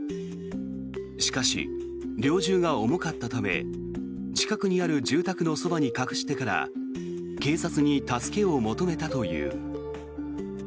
しかし、猟銃が重かったため近くにある住宅のそばに隠してから警察に助けを求めたという。